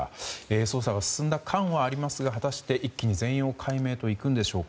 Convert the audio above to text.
捜査が進んだ感はありますが果たして一気に全容解明といくんでしょうか。